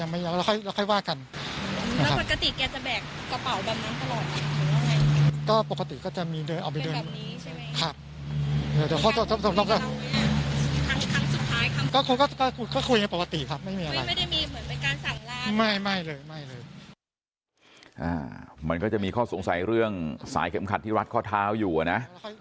มันก็จะมีข้อสงสัยเรื่องสายเข็มขัดที่รัดข้อเท้าอยู่นะ